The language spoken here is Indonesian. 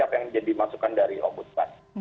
apa yang jadi masukan dari om budsman